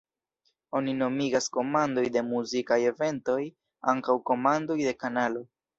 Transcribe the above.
Oni nomigas komandoj de muzikaj eventoj ankaŭ komandoj de kanalo.